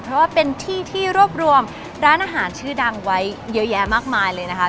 เพราะว่าเป็นที่ที่รวบรวมร้านอาหารชื่อดังไว้เยอะแยะมากมายเลยนะคะ